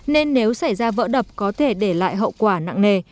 nên nếu xảy ra vỡ đập có thể để lại hậu quả nặng nề